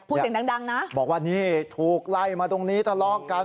เสียงดังนะบอกว่านี่ถูกไล่มาตรงนี้ทะเลาะกัน